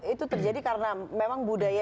itu terjadi karena memang budaya